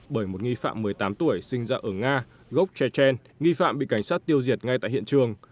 bởi một nghi phạm một mươi tám tuổi sinh ra ở nga gốc chechen nghi phạm bị cảnh sát tiêu diệt ngay tại hiện trường